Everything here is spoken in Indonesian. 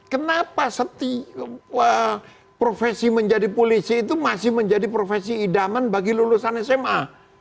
kenapa profesi menjadi polisi itu masih menjadi profesi idaman bagi lulusan sma